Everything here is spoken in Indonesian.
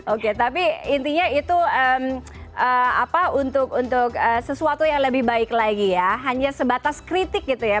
oke tapi intinya itu apa untuk sesuatu yang lebih baik lagi ya hanya sebatas kritik gitu ya